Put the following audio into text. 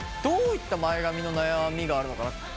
どういった前髪の悩みがあるのかな？